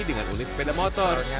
dengan unit sepeda motor